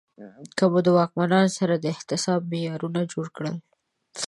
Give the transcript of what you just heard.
که مو د واکمنانو سره د احتساب معیارونه جوړ کړل